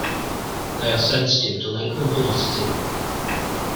They are sensitive to length and velocity.